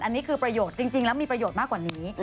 อันนี้คือประโยชน์จริงแล้วมีประโยชน์มากกว่านี้